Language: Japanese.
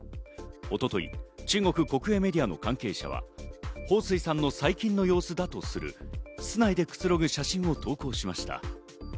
一昨日、中国国営メディアの関係者はホウ・スイさんの最近の様子だとする室内でくつろぐ写真を投稿しました。